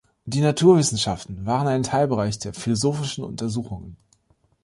Die Naturwissenschaften waren ein Teilbereich der philosophischen Untersuchungen.